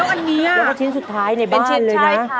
อันนึงชิ้นสุดท้ายในบ้านเลยนะ